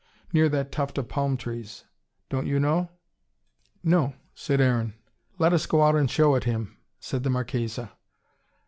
"Near that tuft of palm trees. Don't you know?" "No," said Aaron. "Let us go out and show it him," said the Marchesa.